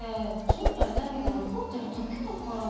ちょっと痛みが残ってるだけだから。